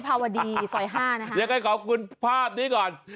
พี่ภาวดีสอยห้านะครับยังไงขอบคุณภาพนี้ก่อน